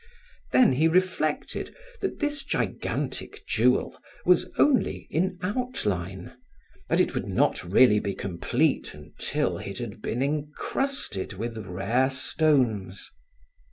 Then he reflected that this gigantic jewel was only in outline, that it would not really be complete until it had been incrusted with rare stones.